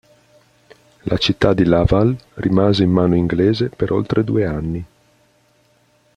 La città di Laval rimase in mano inglese per oltre due anni.